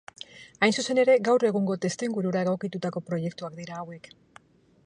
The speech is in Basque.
Hain zuzen ere, gaur egungo testuingurura egokitutako proiektuak dira hauek.